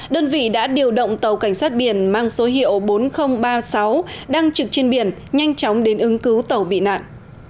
đơn vị đã điều động tàu cảnh sát biển mang số hiệu bốn nghìn ba mươi sáu đang trực trên biển nhanh chóng đến ứng cứu tàu bị nạn